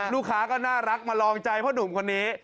ลูกค้าก็น่ารักมาลองใจพ่อหนุ่มคนนี้